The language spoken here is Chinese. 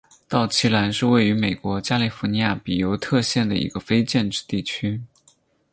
道奇兰是位于美国加利福尼亚州比尤特县的一个非建制地区。